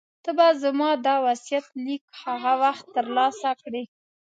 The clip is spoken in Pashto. ته به زما دا وصیت لیک هغه وخت ترلاسه کړې.